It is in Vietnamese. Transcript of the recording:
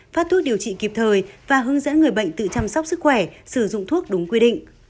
phát thuốc điều trị kịp thời và hướng dẫn người bệnh tự chăm sóc sức khỏe sử dụng thuốc đúng quy định